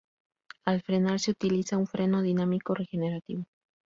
Al frenar, se utiliza un freno dinámico regenerativo.